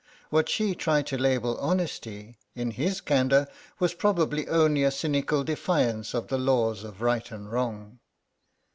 What she tried to label honesty in his candour was probably only a cynical defiance of the laws of right and wrong.